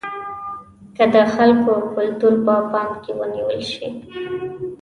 که د خلکو کلتور په پام کې ونیول شي.